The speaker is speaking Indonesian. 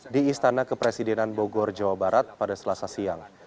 di istana kepresidenan bogor jawa barat pada selasa siang